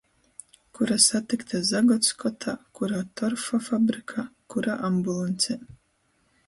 Kura satykta zagodskotā, kura torfa fabrikā, kura ambulancē.